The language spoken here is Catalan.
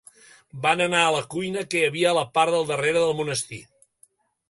Van anar a la cuina que hi havia a la part del darrere del monestir.